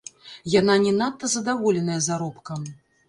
Яна не надта задаволеная заробкам.